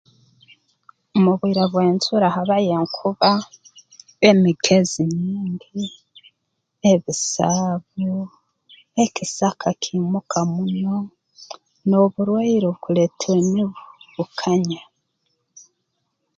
Mu bwire bw'enjura habayo enkuba emigezi nyingi ebisaabu ekisaka kiimuka muno n'oburwaire obukuletwa emibu bukanya